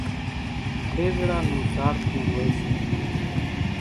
کيزڙا نون زاڙکون هوئيَ سي۔